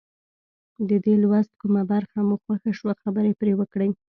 د دې لوست کومه برخه مو خوښه شوه خبرې پرې وکړئ.